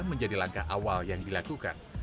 menjadi langkah awal yang dilakukan